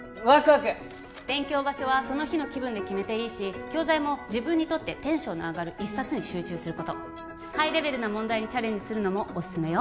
勉強場所はその日の気分で決めていいし教材も自分にとってテンションが上がる一冊に集中することハイレベルな問題にチャレンジするのもおすすめよ